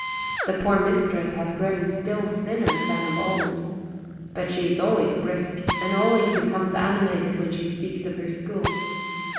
The poor mistress has grown still thinner than of old. But she is always brisk, and always becomes animated when she speaks of her school.